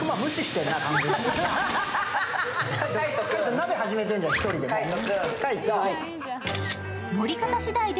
鍋始めてんじゃん、１人で。